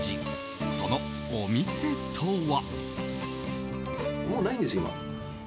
そのお店とは。